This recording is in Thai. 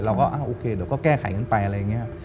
เราก็โอเคเดี๋ยวก็แก้ไขกันไปอะไรอย่างนี้